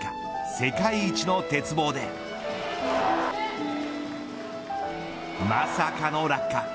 世界一の鉄棒でまさかの落下。